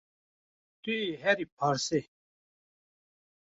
Tu yê herî parsê